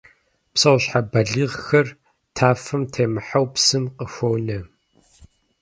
Псэущхьэ балигъхэр тафэм темыхьэу псым къыхонэ.